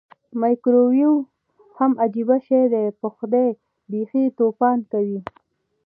مایکرو ویو هم عجبه شی دی پخدای بیخې توپان کوي.